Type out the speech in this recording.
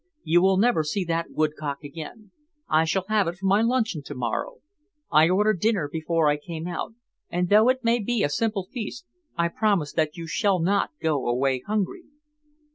"You will never see that woodcock again. I shall have it for my luncheon to morrow. I ordered dinner before I came out, and though it may be a simple feast, I promise that you shall not go away hungry."